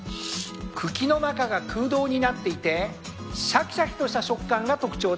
茎の中が空洞になっていてシャキシャキとした食感が特徴です。